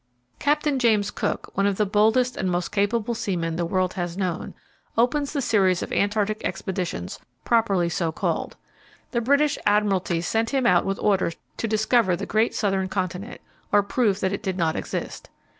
Captain James Cook one of the boldest and most capable seamen the world has known opens the series of Antarctic expeditions properly so called. The British Admiralty sent him out with orders to discover the great southern continent, or prove that it did not exist.